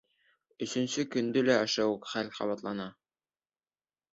Өсөнсө көндө лә ошо уҡ хәл ҡабатлана.